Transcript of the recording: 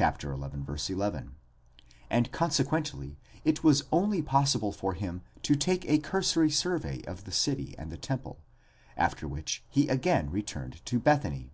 11), and consequently it was only possible for him to take a cursory survey of the city and the temple, after which he again returned to Bethany.